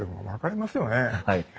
分かりますよねえ？